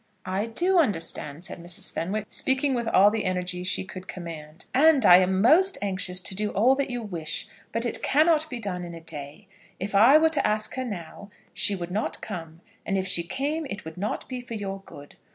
"I do understand," said Mrs. Fenwick, speaking with all the energy she could command; "and I am most anxious to do all that you wish. But it cannot be done in a day. If I were to ask her now, she would not come; and if she came it would not be for your good.